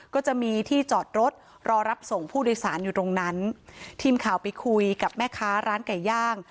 ก็จะมีที่จอดรถรอรับส่งผู้โดยสารอยู่ตรงนั้นทีมข่าวไปคุยกับแม่ค้าร้านไก่ย่าง